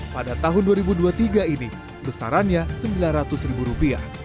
pada tahun dua ribu dua puluh tiga ini besarannya rp sembilan ratus